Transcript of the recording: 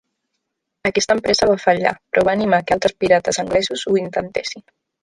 Aquesta empresa va fallar, però va animar que altres pirates anglesos ho intentessin.